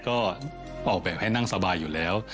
ก็ออกแบบให้นั่งสบายอยู่แล้ว